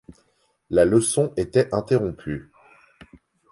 La leçon était interrompue.